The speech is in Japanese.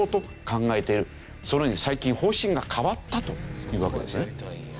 そのように最近方針が変わったというわけですね。